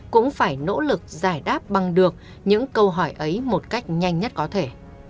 cũng phải nỗ lực giải đáp bằng được những câu hỏi ấy một cách nhanh nhất có thể